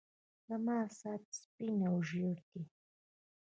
زما ساعت سپين او ژړ دی.